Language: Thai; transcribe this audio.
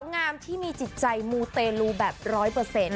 สนองงามที่มีจิตใจมูเตรูแบบ๑๐๐ค่ะ